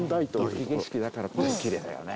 雪景色だからきれいだよね。